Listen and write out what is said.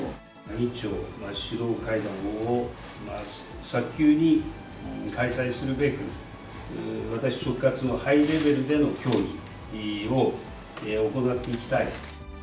日朝首脳会談を早急に開催するべく、私、直轄のハイレベルでの協議を行っていきたい。